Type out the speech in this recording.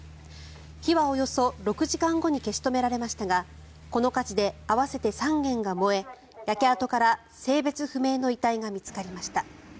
火はおよそ６時間後に消し止められましたがこの火事で合わせて３軒が燃え焼け跡から性別不明の遺体が見つかりました。